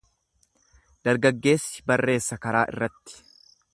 Dargaggeessi barreessa karaa irratti.